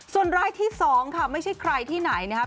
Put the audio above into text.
ส่วนรายที่๒ค่ะไม่ใช่ใครที่ไหนนะครับ